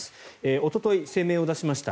おととい、声明を出しました。